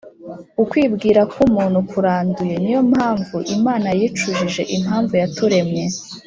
ukwibwira kumuntu kuranduye niyo mpamvu imana yicujije impamvu yaturemye